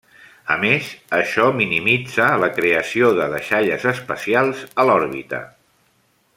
A més, això minimitza la creació de deixalles espacials a l'òrbita.